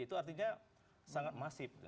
itu artinya sangat masif